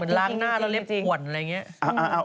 หลังหน้าและเล็บขวดอะไรอย่างนี้